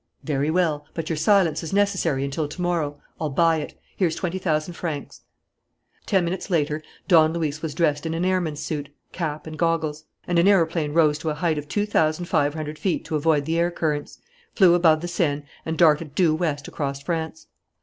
"Very well. But your silence is necessary until to morrow. I'll buy it. Here's twenty thousand francs." Ten minutes later Don Luis was dressed in an airman's suit, cap, and goggles; and an aeroplane rose to a height of two thousand five hundred feet to avoid the air currents, flew above the Seine, and darted due west across France.